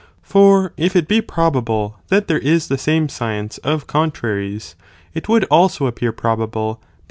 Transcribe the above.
t For if it be precepts of probable that there is the same science of con art. traries, it would also appear probable that the 2.